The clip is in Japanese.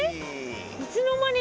えっいつの間に？